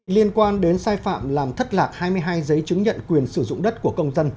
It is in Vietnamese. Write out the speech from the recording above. liên quan đến sai phạm làm thất lạc hai mươi hai giấy chứng nhận quyền sử dụng đất của công dân